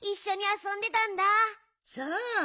そう。